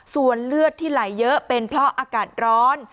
ส่วนเลือดที่ไหลเยอะเป็นเพราะอากาศร้อน